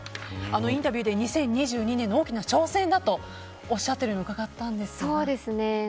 インタビューで２０２２年の大きな挑戦とおっしゃっているのを伺ったんですが。